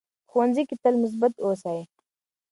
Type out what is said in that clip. په ښوونځي کې تل مثبت اوسئ.